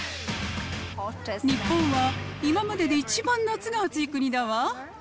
日本は今までで一番夏が暑い国だわ。